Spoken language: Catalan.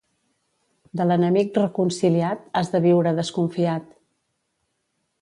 De l'enemic reconciliat has de viure desconfiat.